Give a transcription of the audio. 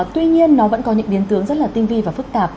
tuy nhiên nó vẫn có những biến tướng rất là tinh vi và phức tạp